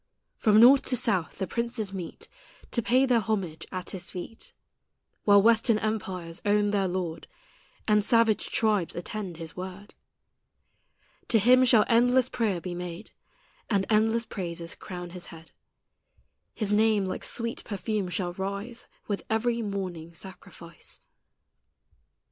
From north to south the princes meet To pay their homage at His feet, While western empires own their Lord, And savage tribes attend His word. To Him shall endless prayer be made, And endless praises crown His head; His name like sweet perfume shall rise With every morning sacrifice.